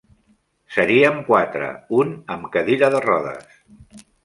Seríem quatre, un amb cadira de rodes.